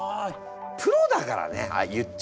プロだからね言っちゃあね！